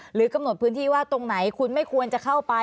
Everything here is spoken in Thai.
หรือกำหนดพื้นที่ว่าตรงไหนคุณไม่ควรจะเข้าไป